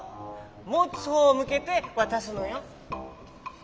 もつほうをむけてわたすのよ。